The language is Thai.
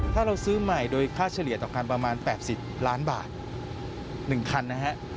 ถ้าเราซื้อใหม่โดยค่าเฉลี่ยต่อกันประมาณ๘๐ล้านบาท๑คันนะฮะ